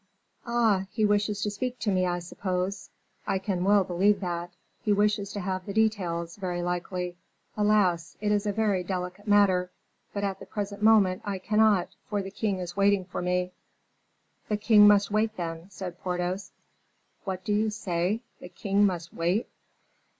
"Ah! he wishes to speak to me, I suppose? I can well believe that; he wishes to have the details, very likely; alas! it is a very delicate matter; but at the present moment I cannot, for the king is waiting for me." "The king must wait, then," said Porthos. "What do you say? the king must wait!"